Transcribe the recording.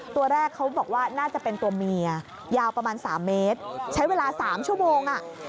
ตัวแรกเขาบอกว่าน่าจะเป็นตัวเมียยาวประมาณ๓เมตรใช้เวลา๓ชั่วโมงอ่ะ